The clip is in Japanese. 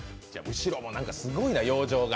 後ろもすごいな、養生が。